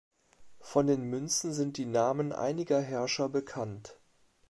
Von den Münzen sind die Namen einiger Herrscher bekannt.